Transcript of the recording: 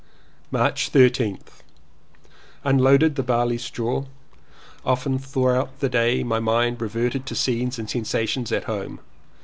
March 13th. Unloaded barley straw. Often through out the day my mind reverted to scenes and sensations at home.